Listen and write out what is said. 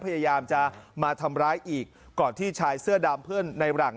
พยายามจะมาทำร้ายอีกก่อนที่ชายเสื้อดำเพื่อนในหลัง